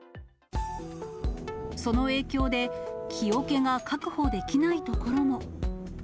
その影響で、木おけが確保できない所も。